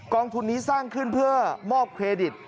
องทุนนี้สร้างขึ้นเพื่อมอบเครดิต